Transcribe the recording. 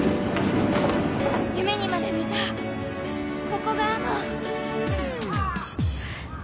夢にまで見たここがあのえっ？